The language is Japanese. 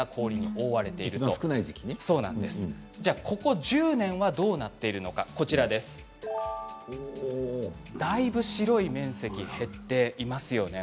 ではここ１０年どうなっているのかだいぶ白い面積が減っていますよね。